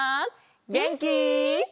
げんき？